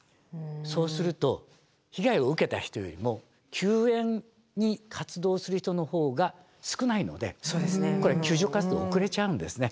そうすると被害を受けた人よりも救援に活動する人のほうが少ないのでこれ救助活動遅れちゃうんですね。